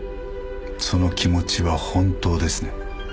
その気持ちは本当ですね？